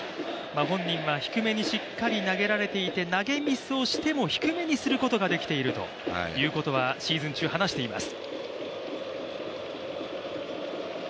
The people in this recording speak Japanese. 本人は低めにしっかり投げられていて投げミスをしても低めにすることができているということはシーズン中話しています。